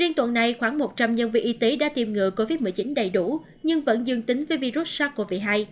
riêng tuần này khoảng một trăm linh nhân viên y tế đã tìm ngựa covid một mươi chín đầy đủ nhưng vẫn dương tính với virus sars cov hai